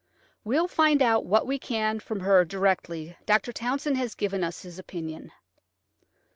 We'll find out what we can from her directly Dr. Townson has given us his opinion."